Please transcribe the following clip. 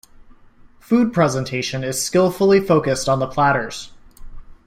Food presentation is skillfully focused on the platters.